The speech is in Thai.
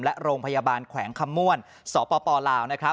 และโรงพยาบาลแขวงคำมวลสปลาว